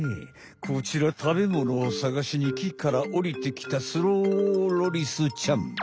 こちら食べものを探しにきからおりてきたスローロリスちゃん。